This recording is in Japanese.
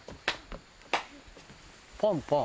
パンパン？